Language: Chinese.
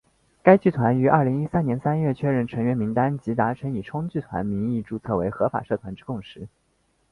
该剧团于二零一三年三月确认成员名单及达成以冲剧团名义注册为合法社团之共识。